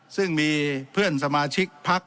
ซึ่งมีเพื่อนสมาชิกพัก